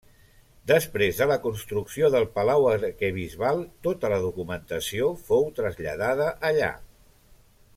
Després de la construcció del Palau arquebisbal tota la documentació fou traslladada allà.